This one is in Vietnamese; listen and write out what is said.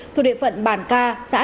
thuộc địa phận bản ca xã hà nội